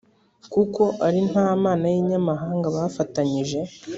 kuko ari nta mana y’inyamahanga bafatanyije